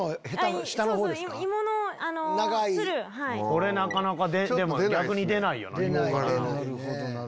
これなかなか逆に出ないよな。